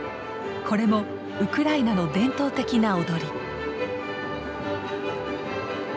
これもウクライナの伝統的な踊り。